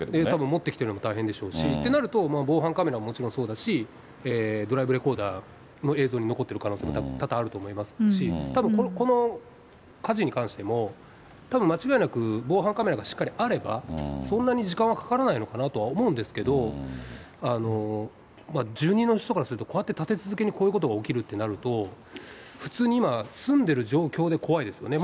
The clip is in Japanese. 持ってきてるのも大変でしょうし、ってなると防犯カメラはもちろんそうだし、ドライブレコーダーの映像に残ってる可能性も多々あると思いますし、たぶんこの火事に関しても、たぶん間違いなく、防犯カメラがしっかりあれば、そんなに時間はかからないのかなとは思うんですけれども、住人の人からすると、こうやって立て続けにこういうことが起きるとなると普通に今、住んでる状況で怖いですよね。